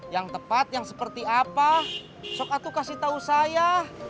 yang tepat yang seperti apa sok aku kasih tahu saya